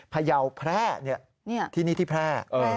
พยาวแพร่ที่นี่ที่แพร่